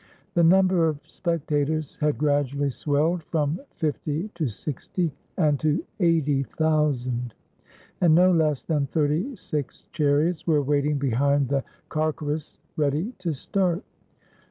The number of spectators had gradu ally swelled from fifty to sixty and to eighty thousand; and no less than thirty six chariots were waiting behind the carceres ready to start.